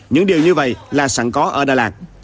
những điều như vậy là sẵn có ở đà lạt